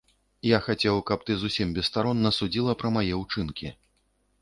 Я хацеў, каб ты зусім бесстаронна судзіла пра мае ўчынкі.